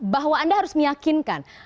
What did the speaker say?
bahwa anda harus meyakinkan